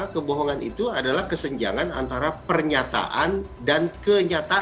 kebohongan itu adalah kesenjangan antara pernyataan dan kenyataan